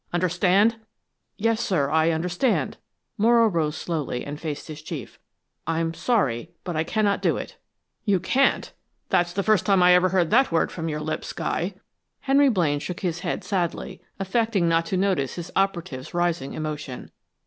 Understand?" "Yes, sir, I understand." Morrow rose slowly, and faced his chief. "I'm sorry, but I cannot do it." "You can't? That's the first time I ever heard that word from your lips, Guy." Henry Blaine shook his head sadly, affecting not to notice his operative's rising emotion.